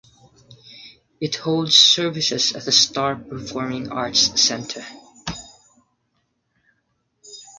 It holds services at The Star Performing Arts Centre.